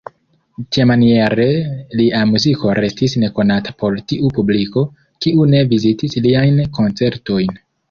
Tiamaniere lia muziko restis nekonata por tiu publiko, kiu ne vizitis liajn koncertojn.